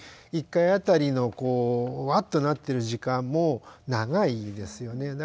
１回あたりのこうワッとなってる時間も長いですよね。